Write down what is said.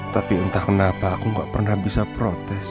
tapi entah kenapa aku gak pernah bisa protes